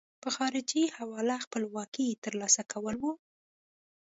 په خارجي حواله خپلواکۍ ترلاسه کول وو.